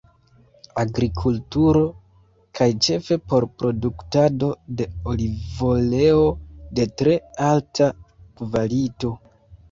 Agrikulturo kaj ĉefe por produktado de olivoleo de tre alta kvalito.